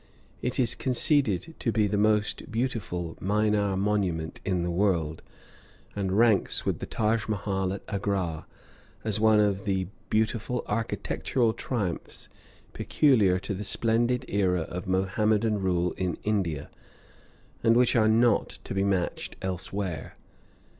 It is conceded to be the most beautiful minar monument in the world, and ranks with the Taj Mahal at Agra as one of the beautiful architectural triumphs peculiar to the splendid era of Mohammedan rule in India, and which are not to be matched elsewhere.